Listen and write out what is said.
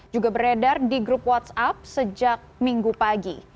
juga beredar di grup whatsapp sejak minggu pagi